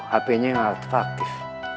hape nya yang alt faktif